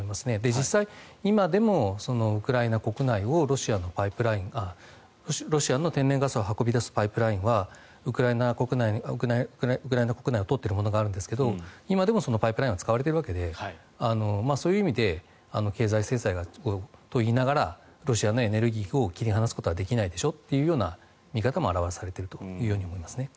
実際、今でもウクライナ国内にロシアの天然ガスを運び出すパイプラインはウクライナ国内を通っているものがあるんですが今でもそのパイプラインは使われているわけでそういう意味で経済制裁と言いながらロシアのエネルギーを切り離すことはできないでしょという見方も表されていると思いますね。